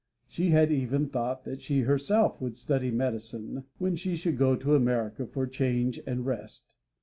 She had even thought that she would herself study medicine when she should go to America for change and rest.